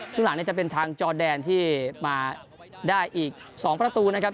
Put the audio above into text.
ครึ่งหลังเนี่ยจะเป็นทางจอแดนที่มาได้อีก๒ประตูนะครับ